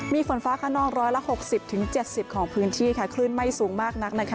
มีฝนฟ้ากระน่อง๑๖๐๗๐ของพื้นที่คลื่นไม่สูงมากนัก